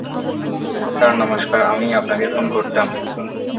Sir নমস্কার, আমিই আপনাকে ফোন করতাম।